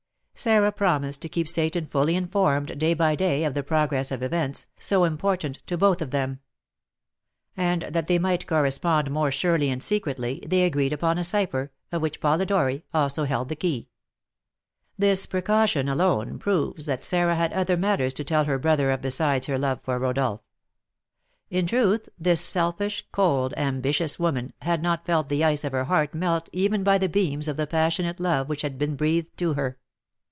Sarah promised to keep Seyton fully informed, day by day, of the progress of events, so important to both of them; and, that they might correspond more surely and secretly, they agreed upon a cipher, of which Polidori also held the key. This precaution alone proves that Sarah had other matters to tell her brother of besides her love for Rodolph. In truth, this selfish, cold, ambitious woman had not felt the ice of her heart melt even by the beams of the passionate love which had been breathed to her.